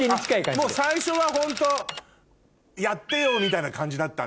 もう最初はホント「やってよ！」みたいな感じだったんだ？